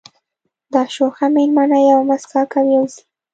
دا شوخه مېلمنه یوه مسکا کوي او ځي